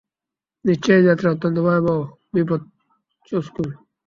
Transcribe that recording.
নিশ্চয় এ যাত্রা অত্যন্ত ভয়াবহ, বিপদসঙ্কুল।